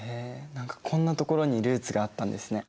何かこんなところにルーツがあったんですね。